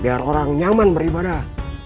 biar orang nyaman beribadah